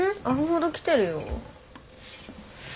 アホほど来てるよ。